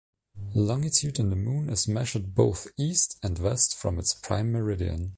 Longitude on the Moon is measured both east and west from its prime meridian.